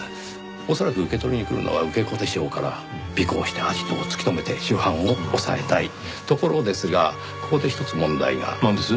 恐らく受け取りに来るのは受け子でしょうから尾行してアジトを突き止めて主犯を押さえたいところですがここでひとつ問題が。なんです？